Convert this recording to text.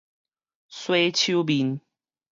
洗手面